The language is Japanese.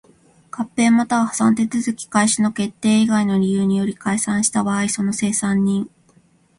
合併又は破産手続開始の決定以外の理由により解散した場合その清算人